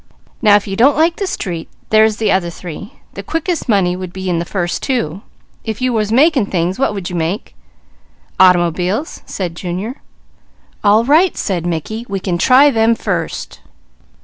Now if you don't like the street, there's the other three. The quickest money would be in the first two. If you were making things, what would you make?" "Automobiles!" said Junior. "All right!" said Mickey, "we can try them first.